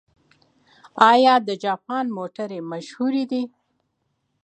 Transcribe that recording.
آیا د جاپان موټرې مشهورې دي؟